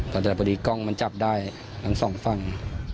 แต่พอดีกล้องมันจับได้ทั้งสองฝั่ง